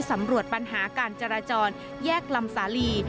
สำรวจปัญหาการจราจรแยกลำสาลี